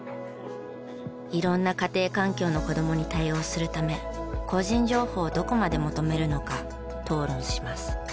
色んな家庭環境の子どもに対応するため個人情報をどこまで求めるのか討論します。